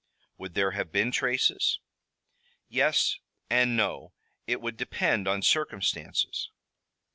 "Would there have been traces?" "Yes and no it would depend on circumstances."